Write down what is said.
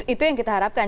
itu yang kita harapkan